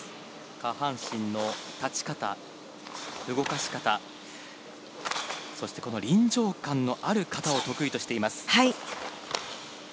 下半身の立ち方、動かし方、そしてこの臨場感のある形を得意としています。